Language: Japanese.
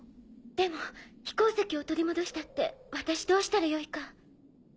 でも飛行石を取り戻したって私どうしたらよいか。